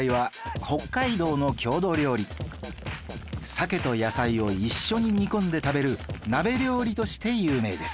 サケと野菜を一緒に煮込んで食べる鍋料理として有名です